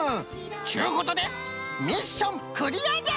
っちゅうことでミッションクリアじゃ！